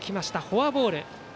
フォアボール。